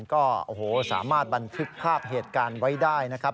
ก็โอ้โหสามารถบันทึกภาพเหตุการณ์ไว้ได้นะครับ